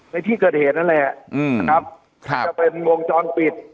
ในที่เกิดเหตุนั่นแหละนะครับจะเป็นวงจรปิด